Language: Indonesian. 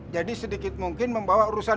jadi sedikit mungkin membawa urusan